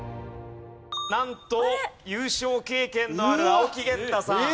なんと優勝経験のある青木源太さん